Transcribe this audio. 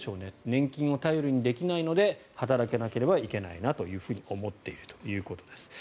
年金を頼りにできないので働かなければいけないなと思っているということです。